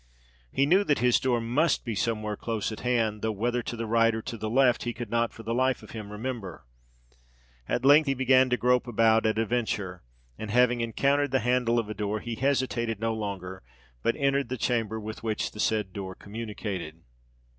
He knew that his door must be somewhere close at hand; though whether to the right or to the left, he could not for the life of him remember. At length he began to grope about at a venture; and, having encountered the handle of a door, he hesitated no longer, but entered the chamber with which the said door communicated.